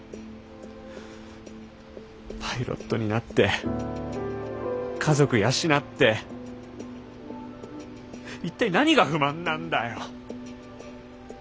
パイロットになって家族養って一体何が不満なんだよ。